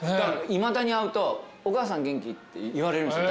いまだに会うと「お母さん元気？」って言われるんです